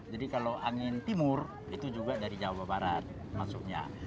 jadi kalau angin timur itu juga dari jawa barat maksudnya